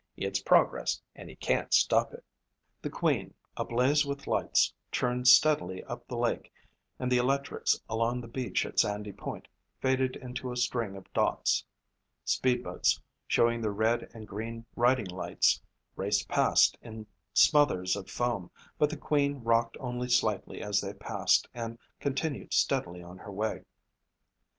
"It's progress and you can't stop it." The Queen, ablaze with lights, churned steadily up the lake and the electrics along the beach at Sandy Point faded into a string of dots. Speed boats, showing their red and green riding lights, raced past in smothers of foam but the Queen rocked only slightly as they passed and continued steadily on her way.